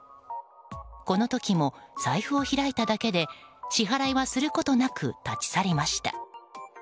この時も、財布を開いただけで支払いはすることなく立ち去りました。